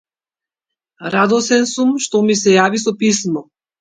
Радосен сум што ми се јави со писмо.